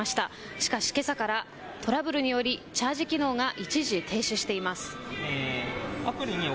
しかしけさからトラブルによりチャージ機能が一時停止しています。